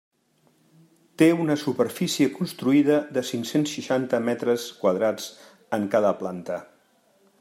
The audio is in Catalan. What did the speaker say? Té una superfície construïda de cinc-cents seixanta metres quadrats en cada planta.